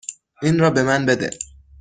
این را به من بده.